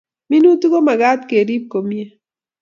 minutik komakat kerip komie